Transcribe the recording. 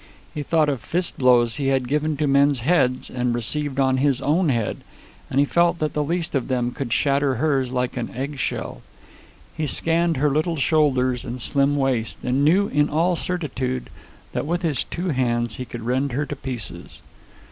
He thought of fist blows he had given to men's heads, and received on his own head, and felt that the least of them could shatter hers like an egg shell. He scanned her little shoulders and slim waist, and knew in all certitude that with his two hands he could rend her to pieces.